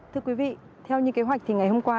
thưa quý vị theo như kế hoạch thì ngày hôm qua